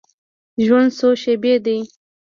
ژوند څو شیبې دی.